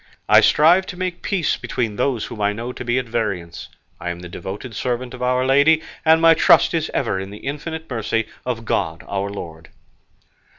I strive to make peace between those whom I know to be at variance; I am the devoted servant of Our Lady, and my trust is ever in the infinite mercy of God our Lord."